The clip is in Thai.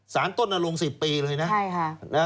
สารต้นแล้วลง๑๐ปีเลยนะ